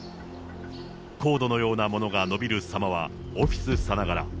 コードのようなものがのびるさまはオフィスさながら。